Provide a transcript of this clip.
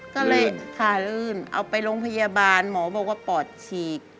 ก็เลยขาลื่นเอาไปโรงพยาบาลหมอบอกว่าปอดฉีก